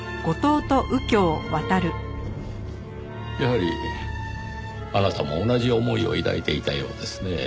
やはりあなたも同じ思いを抱いていたようですねぇ。